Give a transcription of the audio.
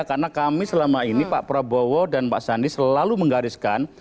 karena kami selama ini pak prabowo dan pak sandi selalu menggariskan